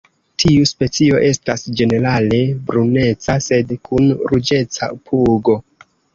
Tiu specio estas ĝenerale bruneca sed kun ruĝeca pugo.